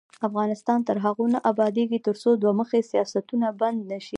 افغانستان تر هغو نه ابادیږي، ترڅو دوه مخي سیاستونه بند نشي.